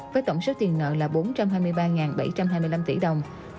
với tổng số tiền nợ là bốn trăm hai mươi ba bảy trăm hai mươi năm đơn vị